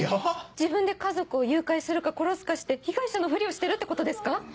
自分で家族を誘拐するか殺すかして被害者のふりをしてるってことですか？